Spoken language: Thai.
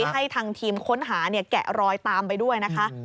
ให้ทางทีมค้นหาแกะรอยตามไปด้วยนะคะ